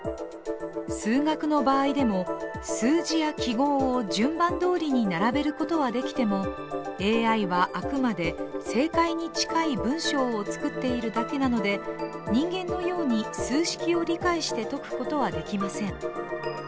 数学の場合でも数字や記号を順番通りに並べることはできてもＡＩはあくまで正解に近い文章を作っているだけなので人間のように数式を理解して解くことはできません。